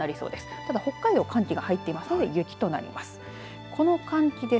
ただ北海道寒気が入ってますので雪となります。